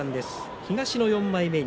東の４枚目錦